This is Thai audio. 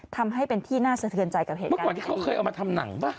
ทำให้เป็นที่น่าสะเทือนใจกับเหตุการณ์